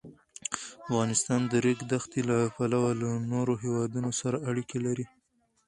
افغانستان د د ریګ دښتې له پلوه له نورو هېوادونو سره اړیکې لري.